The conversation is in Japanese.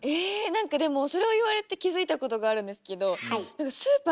なんかでもそれを言われて気付いたことがあるんですけどだから室内が。